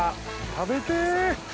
食べてぇ！